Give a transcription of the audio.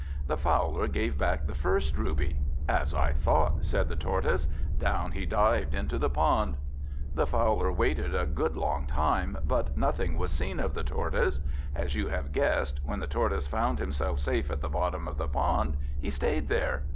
The Fowler gave back the first ruby. "As I thought," said the Tortoise. Down he dived into the pond. The Fowler waited a good long time, but nothing was seen of the Tortoise. As you have guessed, when the Tortoise found himself safe at the bottom of the pond, he stayed there.